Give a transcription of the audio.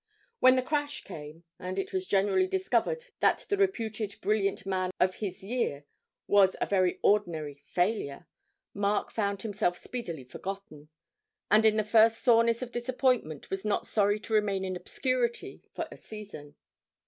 When the crash came, and it was generally discovered that the reputed brilliant man of his year was a very ordinary failure, Mark found himself speedily forgotten, and in the first soreness of disappointment was not sorry to remain in obscurity for a season.